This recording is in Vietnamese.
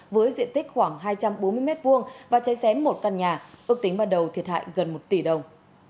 với diện tích khoảng hai trăm bốn mươi m hai và cháy xém một căn nhà ước tính ban đầu thiệt hại gần một tỷ đồng